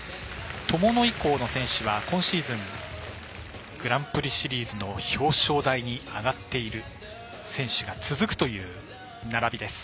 友野以降の選手は今シーズングランプリシリーズの表彰台に上がっている選手が続くという並びです。